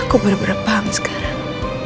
aku berbebang sekarang